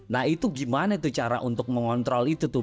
nah itu gimana tuh cara untuk mengontrol itu tuh